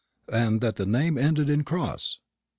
"And that the name ended in Cross?"